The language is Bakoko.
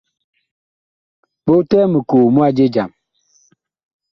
Bogtɛɛ mikoo mu a je jam.